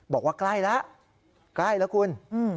บอกว่าใกล้แล้วใกล้แล้วคุณ